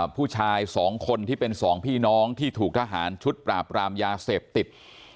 ผู้ชายสองคนที่เป็นสองพี่น้องที่ถูกทหารชุดปราบรามยาเสพติด